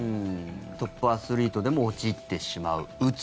トップアスリートでも陥ってしまう、うつ。